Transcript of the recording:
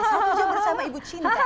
satu jam bersama ibu cinta